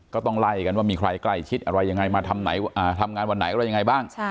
ก็ต้องไล่กันว่ามีใครใกล้ชิดอะไรยังไงมาทำงานวันไหนอะไรยังไงบ้าง